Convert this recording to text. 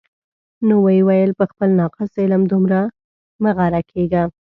نو ویې ویل: په خپل ناقص علم دومره مه غره کېږه.